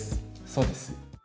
そうです。